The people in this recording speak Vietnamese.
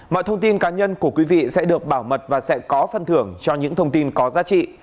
mọi thông tin cá nhân của quý vị sẽ được bảo mật và sẽ có phân thưởng cho những thông tin có giá trị